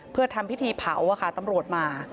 เพื่อทำพิธีเผาตำรวจมา